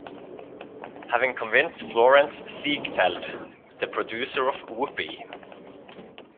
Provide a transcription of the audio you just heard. Having convinced Florenz Ziegfeld, the producer of Whoopee!